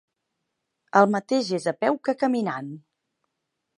El mateix és a peu que caminant.